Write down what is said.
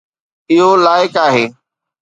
اهو لائق آهي